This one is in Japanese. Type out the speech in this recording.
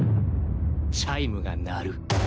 チャイムが鳴る